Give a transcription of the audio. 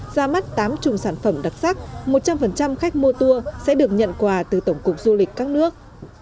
ra mắt tám trùng sản phẩm đặc sắc một trăm linh khách mua tour sẽ được nhận quà từ tổng cục du lịch các nước